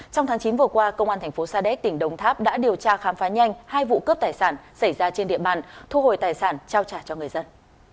trong tháng chín vừa qua công an thành phố sa đéc tỉnh đồng tháp đã điều tra khám phá nhanh hai vụ cướp tài sản xảy ra trên địa bàn thu hồi tài sản trao trả cho người dân